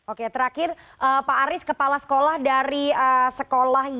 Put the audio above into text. oke terakhir pak aris kepala sekolah dari sekolah